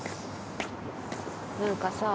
何かさぁ。